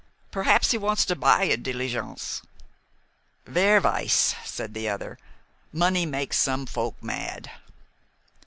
Perhaps he wants to buy a diligence." "Wer weiss?" said the other. "Money makes some folk mad."